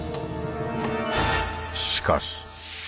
しかし。